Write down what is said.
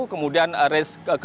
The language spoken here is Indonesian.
kemudian race dua